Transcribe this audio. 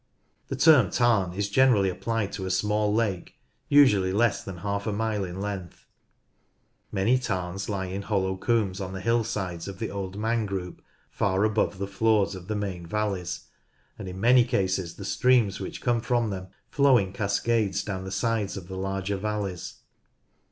The term tarn is generally applied to a small lake, usually less than half a mile in length. Many tarns lie in hollow combes on the hillsides of the Old Man group far above the floors of the main \ alleys, and in main eases the Windermere: the Ferry, from the Ferry Nab streams which come from them flow in cascades down the sides of the larger valleys.